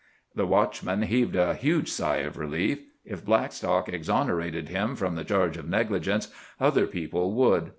The watchman heaved a huge sigh of relief. If Blackstock exonerated him from the charge of negligence, other people would.